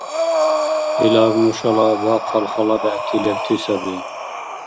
Илаб нушала бахъал хала бегӀти лебти саби.